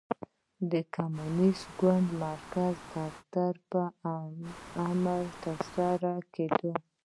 د کمونېست ګوند مرکزي دفتر په امر ترسره کېده.